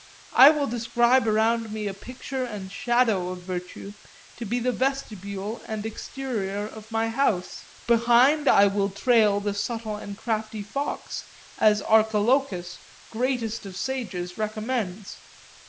I will describe around me a picture and shadow of virtue to be the vestibule and exterior of my house; behind I will trail the subtle and crafty fox, as Archilochus, greatest of sages, recommends.